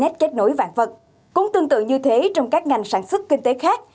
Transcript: nói về trí tuệ nhân tạo ai và internet kết nối vạn vật cũng tương tự như thế trong các ngành sản xuất kinh tế khác